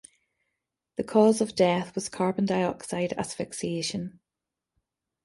The cause of death was carbon dioxide asphyxiation.